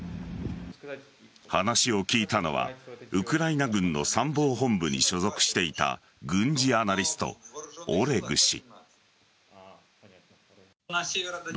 話を聞いたのはウクライナ軍の参謀本部に所属していた軍事アナリスト・オレグ氏。